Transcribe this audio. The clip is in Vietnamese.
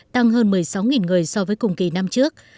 tăng hơn một mươi sáu người so với cùng kỳ năm trước